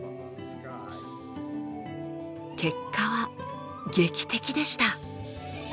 結果は劇的でした。